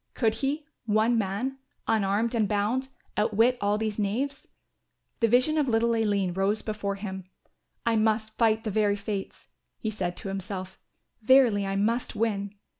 Could he, one man, unarmed and bound, outwit all these knaves? The vision of little Aline rose before him. "I must fight the very fates," he said to himself, "verily, I must win."